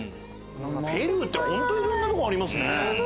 ペルーって本当いろんなとこありますね。